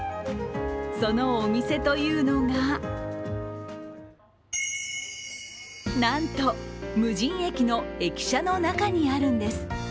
そのお店というのがなんと無人駅の駅舎の中にあるんです。